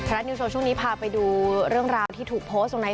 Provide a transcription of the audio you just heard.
นิวโชว์ช่วงนี้พาไปดูเรื่องราวที่ถูกโพสต์ลงใน